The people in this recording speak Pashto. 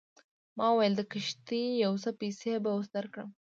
ما وویل د کښتۍ یو څه پیسې به اوس درکړم.